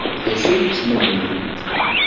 D acu ay ttmennint?